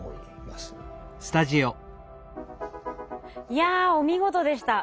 いやお見事でした。